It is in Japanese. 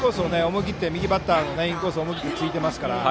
右バッターのインコースを思い切って突いていますから。